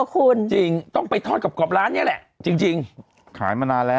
คุณเคยทานนะ